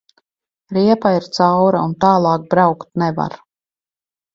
Riepa ir caura un tālāk braukt nevar.